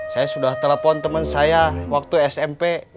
saya sudah telepon teman saya waktu smp